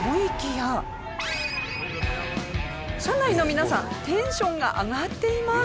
車内の皆さんテンションが上がっています！